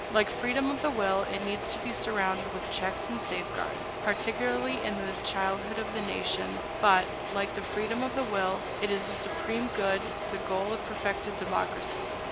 Like freedom of the will, it needs to be surrounded with checks and safeguards, particularly in the childhood of the nation; but, like freedom of the will, it is the supreme good, the goal of perfected democracy.